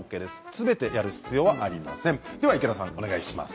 すべてやる必要はありません。